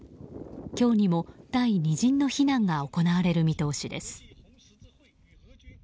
今日にも第２陣の避難が行われる見通しです。